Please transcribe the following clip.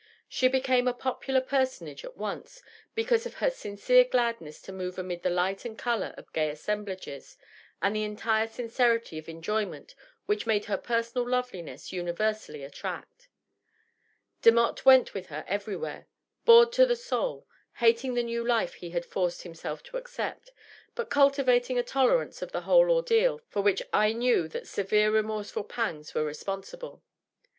She became a popular personage at once, because of her sincere gladness to move amid the light and color of gay assemblages and the entire sincerity of enjoyment which made her personal loveliness universally attract. l)emotte went with her everywhere, bored to the soul, hating the new life he had forced himself to accept, but cultivating a tolerance of the whole ordeal for which I knew that severe remorseful pangs were responsible.